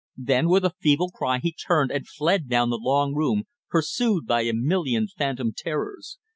Then with a feeble cry he turned and fled down the long room, pursued by a million phantom terrors.